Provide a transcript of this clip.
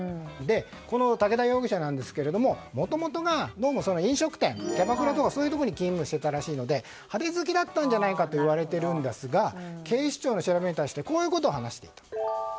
武田容疑者ですがもともとが、どうも飲食店キャバクラとかに勤務していたらしいので派手好きだったんじゃないかと言われているんですが警視庁の調べに対してこういうことを話している。